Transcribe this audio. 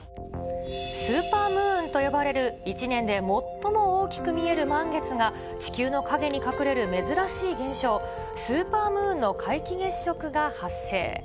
スーパームーンと呼ばれる一年で最も大きく見える満月が地球の陰に隠れる珍しい現象、スーパームーンの皆既月食が発生。